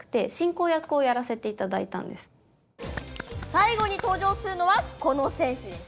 最後に登場するのはこの戦士です。